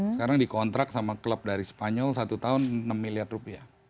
sekarang dikontrak sama klub dari spanyol satu tahun enam miliar rupiah